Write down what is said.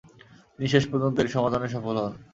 তিনি শেষ পর্যন্ত এর সমাধানে সফল হন।